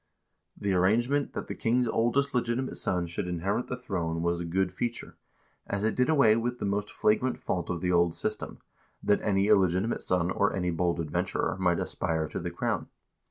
1 The arrangement that the king's oldest legitimate son should inherit the throne was a good feature, as it did away with the most flagrant fault of the old system, that any illegitimate son, or any bold adventurer, might aspire to the crown.